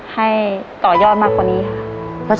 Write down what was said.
หนึ่งล้าน